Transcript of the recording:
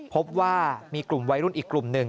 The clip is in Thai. พบว่ามีกลุ่มวัยรุ่นอีกกลุ่มหนึ่ง